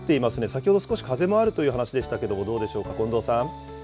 先ほど少し風もあるという話でしたけども、どうでしょうか、近藤